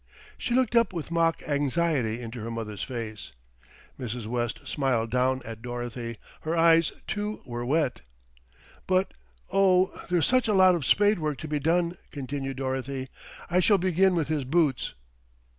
She looked up with mock anxiety into her mother's face. Mrs. West smiled down at Dorothy; her eyes too were wet. "But oh! there's such a lot of spade work to be done," continued Dorothy. "I shall begin with his boots."